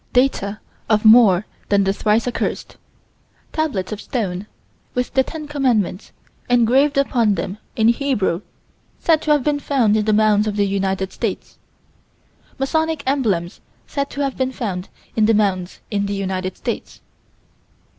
Data of more than the thrice accursed: Tablets of stone, with the ten commandments engraved upon them, in Hebrew, said to have been found in mounds in the United States: Masonic emblems said to have been found in mounds in the United States.